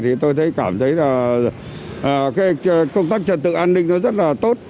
thì tôi cảm thấy công tác trật tự an ninh rất tốt